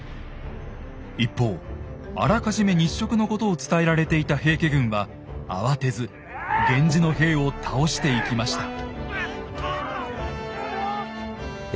一方あらかじめ日食のことを伝えられていた平家軍は慌てず源氏の兵を倒していきました。